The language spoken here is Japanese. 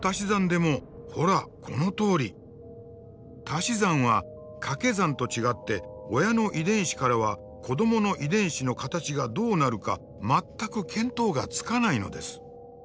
たし算はかけ算と違って親の遺伝子からは子どもの遺伝子の形がどうなるか全く見当がつかないのです。